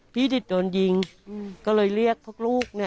ที่โดนยิงก็เลยเรียกพวกลูกเนี่ย